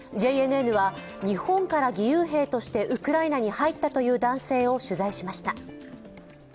ＪＮＮは日本から義勇兵としてウクライナに入ったという男性を取材しました。